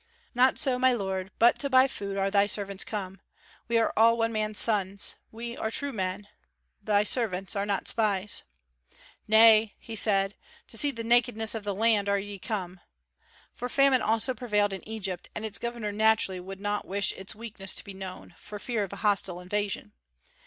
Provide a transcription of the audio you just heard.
"Not so, my lord, but to buy food are thy servants come. We are all one man's sons; we are true men; thy servants are not spies." "Nay," he said, "to see the nakedness of the land are ye come," for famine also prevailed in Egypt, and its governor naturally would not wish its weakness to be known, for fear of a hostile invasion.